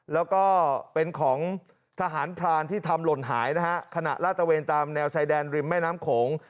แล้วก็เป็นของทหารพรานที่ทำหล่นหายนะฮะขณะลาดตะเวนตามแนวชายแดนริมแม่น้ำโขง